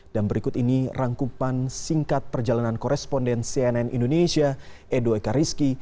dan berikut ini rangkupan singkat perjalanan koresponden cnn indonesia edo eka rizki